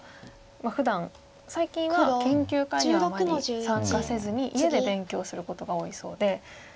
ふだん最近は研究会にはあまり参加せずに家で勉強することが多いそうで。